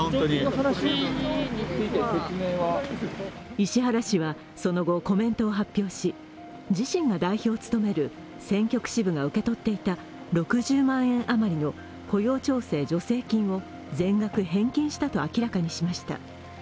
石原氏は、その後、コメントを発表し、自身が代表を務める選挙区支部が受け取っていた６０万円余りの雇用調整助成金を全額返金したと明らかにしました。